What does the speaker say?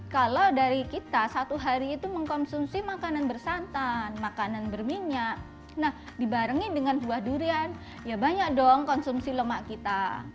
kalau dari kita satu hari itu mengkonsumsi makanan bersantan makanan berminyak nah dibarengi dengan buah durian ya banyak dong konsumsi lemak kita